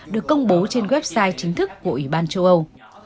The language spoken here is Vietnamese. được công bố trên website chính thức của ủy ban châu âu